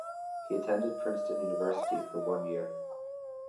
He attended Princeton University for one year.